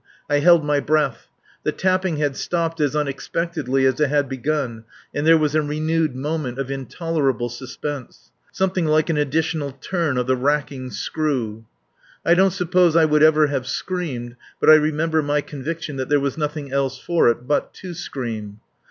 I held my breath. The tapping had stopped as unexpectedly as it had begun, and there was a renewed moment of intolerable suspense; something like an additional turn of the racking screw. I don't suppose I would have ever screamed, but I remember my conviction that there was nothing else for it but to scream.